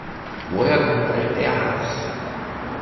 Woher kommt all der Hass?